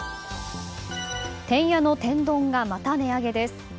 てんやの天丼がまた値上げです。